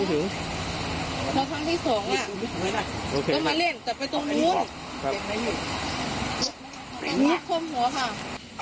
นี่คว่ำหัวค่ะ